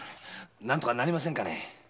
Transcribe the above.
何とかなりませんかね？